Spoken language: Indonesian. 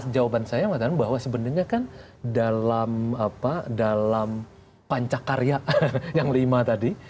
jawaban saya mengatakan bahwa sebenarnya kan dalam pancakarya yang lima tadi